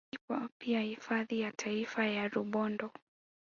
Ipo pia hifadhi ya taifa ya Rubondo